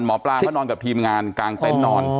ไม่ได้นอนหมอปลามานอนกับทีมงานกลางเต็มนอน